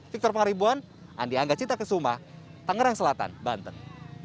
victor pangaribuan andi anggacita kesumah tangerang selatan banten